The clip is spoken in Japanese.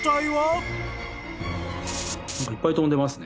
いっぱい飛んでますね。